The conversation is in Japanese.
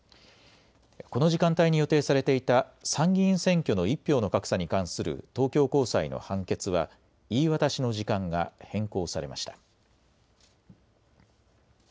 この時間帯に予定されていた参議院選挙の１票の格差に関する東京高裁の判決は言い渡しの時間が変更されました。